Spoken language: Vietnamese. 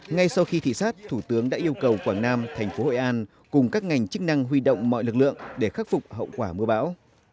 ngay sau khi thị sát thủ tướng đã yêu cầu quảng nam thành phố hội an cùng các ngành chức năng huy động mọi lực lượng để khắc phục hậu quả mưa bão